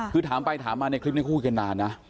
คือถามไปถามมาในคลิปนี้คุยกันนานนะ